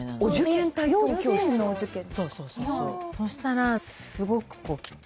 幼稚園のお受験ですか？